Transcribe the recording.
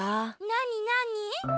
なになに？